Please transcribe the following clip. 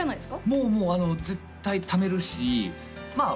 もうもう絶対ためるしまあ